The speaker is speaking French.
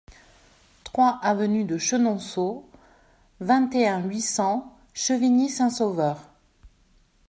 trois avenue de Chenonceaux, vingt et un, huit cents, Chevigny-Saint-Sauveur